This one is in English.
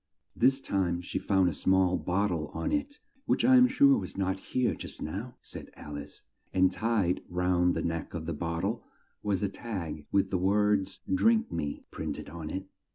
This time she found a small bot tle on it ("which I am sure was not here just now," said Al ice), and tied round the neck of the bot tle was a tag with the words "Drink me" printed on it.